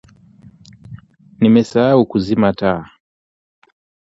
Nimesahau kuzima taa